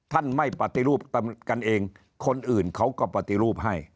ท่านไม่ปฏิรูปกันเองคนอื่นเขาก็ปฏิรูปให้